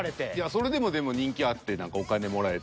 それでもでも人気あってお金もらえて。